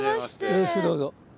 よろしくどうぞ。